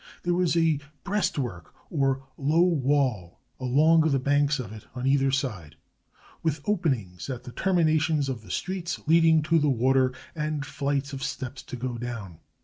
There was a breastwork or low wall along the banks of it on either side, with openings at the terminations of the streets leading to the water, and flights of steps to go down.